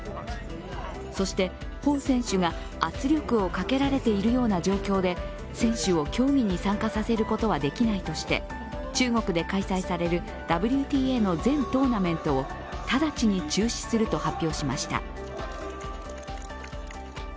そして、彭選手が圧力をかけられているような状況で選手を競技に参加させることはできないとして中国で開催されるＷＴＡの全トーナメントを直ちに中止すると発表しました。